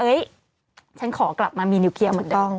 ฉันขอกลับมามีนิวเคลียร์เหมือนเดิม